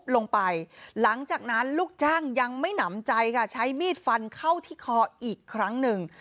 ลงไปหลังจากนั้นลูกจ้างยังไม่หนำใจค่ะใช้มีดฟันเข้าที่คออีกครั้งหนึ่ง